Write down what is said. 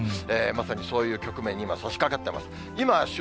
まさに、そういう局面に今、さしかかってます。